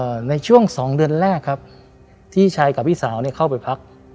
ในช่วงสองเดือนแรกครับที่ชายกับพี่สาวเนี้ยเข้าไปพัก